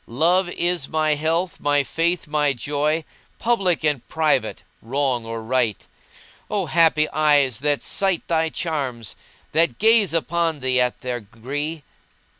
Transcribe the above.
Love is my health, my faith, my joy * Public and private, wrong or right. O happy eyes that sight thy charms * That gaze upon thee at their gree!